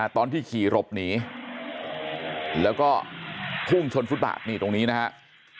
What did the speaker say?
ตอนที่ขี่หลบหนีแล้วก็พุ่งชนฟุตบาทนี่ตรงนี้นะครับ